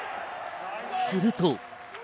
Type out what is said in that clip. すると。